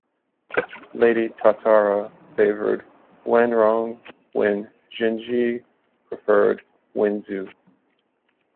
Lady Tatara favoured Wanrong while Jinyi preferred Wenxiu.